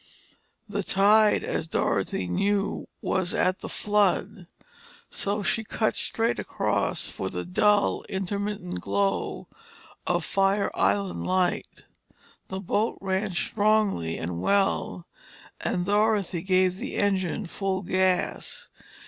The tide, as Dorothy knew, was at the flood, so she cut straight across for the dull, intermittent glow of the Fire Island Light. The boat ran strongly and well and Dorothy gave the engine full gas.